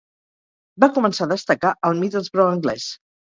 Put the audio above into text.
Va començar a destacar al Middlesbrough anglès.